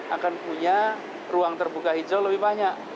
akan punya ruang terbuka hijau lebih banyak